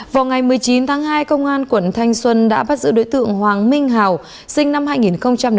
vào ngày một mươi chín tháng hai công an quận thanh xuân đã bắt giữ đối tượng hoàng minh hào sinh năm hai nghìn chín